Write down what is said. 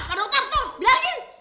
pak dokter tuh bilangin